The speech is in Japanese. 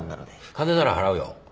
金なら払うよ。